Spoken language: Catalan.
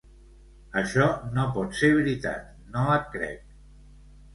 Això no pot ser veritat, no et crec.